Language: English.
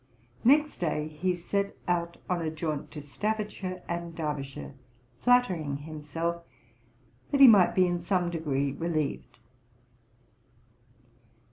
Next day he set out on a jaunt to Staffordshire and Derbyshire, flattering himself that he might be in some degree relieved.